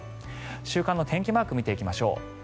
週間の天気マーク見ていきましょう。